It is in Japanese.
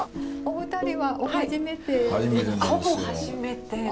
お二人は初めて？